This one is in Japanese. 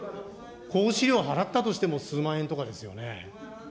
払ったとしても数万円とかですよね。